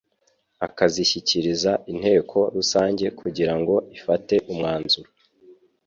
akazishyikiriza inteko rusange kugira ngo ifate umwanzuro